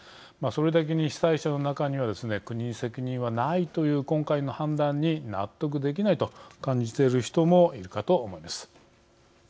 それだけに被災者の中にはですね国に責任はないという今回の判断に納得できないと感じている人もいるかと思います。